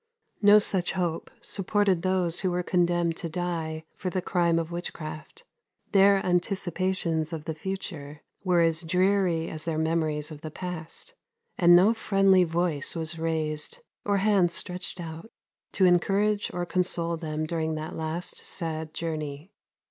No such hope supported those who were condemned to die for the crime of witchcraft: their anticipations of the future were as dreary as their memories of the past, and no friendly voice was raised, or hand stretched out, to encourage or console them during that last sad journey.